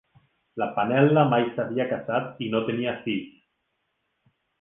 La Pannella mai s'havia casat i no tenia fills.